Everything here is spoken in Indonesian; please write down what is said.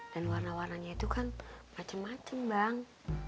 dan warna warnanya itu kan macem macem bang